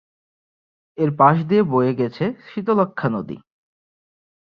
এর পাশ দিয়ে বয়ে গেছে শীতলক্ষ্যা নদী।